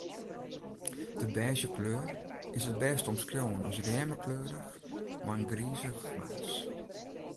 De bêzje kleur is it bêst te omskriuwen as rjemmekleurich mei in grizich waas.